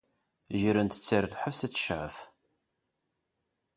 Grent-tt ɣer lḥebs ad tecɛef.